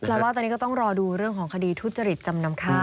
แล้วว่าตอนนี้ก็ต้องรอดูเรื่องของคดีทุจริตจำนำข้าว